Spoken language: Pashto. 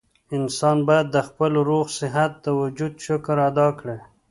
انسان بايد د خپل روغ صحت د وجود شکر ادا کړي